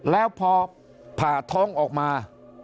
แล้วพอผ่าท้องออกมา